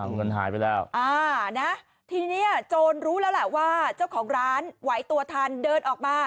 เงินหายไปแล้วอ่านะทีนี้โจรรู้แล้วแหละว่าเจ้าของร้านไหวตัวทันเดินออกมา